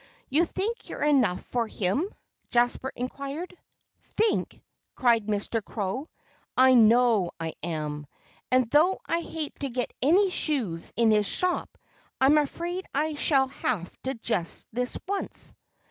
"You think you're enough for him?" Jasper inquired. "Think?" cried Mr. Crow. "I know I am. And though I hate to get any shoes in his shop, I'm afraid I shall have to just this once."